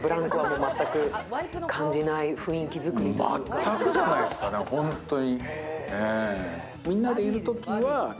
全くじゃないかな、ホントに。